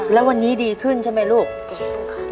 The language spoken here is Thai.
แล้ววันนี้ดีขึ้นใช่ไหมลูกค่ะ